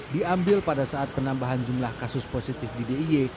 diambil pada saat penambahan jumlah kasus positif di d i e